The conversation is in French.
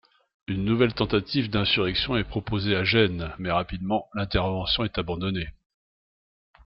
Une nouvelle tentative d'insurrection est proposée à Gênes, mais rapidement l'intervention est abandonnée.